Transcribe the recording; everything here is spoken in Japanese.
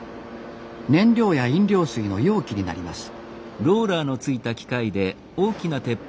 燃料や飲料水の容器になります